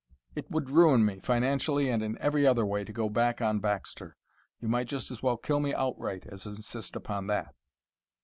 "It would ruin me, financially and in every other way, to go back on Baxter. You might just as well kill me outright as insist upon that."